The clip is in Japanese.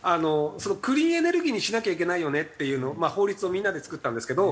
クリーンエネルギーにしなきゃいけないよねっていうのを法律をみんなで作ったんですけど。